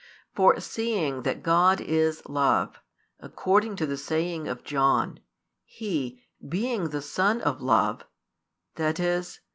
For seeing that God is love, according to the saying of John, He, being the Son of Love, i.e.